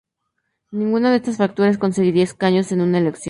Ninguna de estas fracturas conseguiría escaños en una elección.